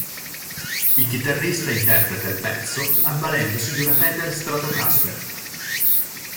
Il chitarrista interpreta il pezzo avvalendosi di una Fender Stratocaster.